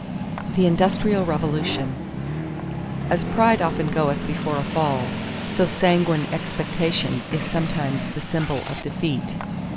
THE INDUSTRIAL REVOLUTION As pride often goeth before a fall, so sanguine expectation is sometimes the symbol of defeat.